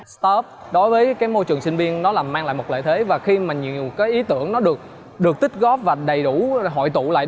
stop đối với môi trường sinh viên nó mang lại một lợi thế và khi mà nhiều ý tưởng nó được tích góp và đầy đủ hội tụ lại